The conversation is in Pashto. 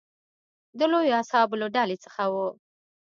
د لویو اصحابو له ډلې څخه و.